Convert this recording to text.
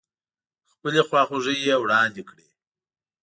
خپلې خواخوږۍ يې واړندې کړې.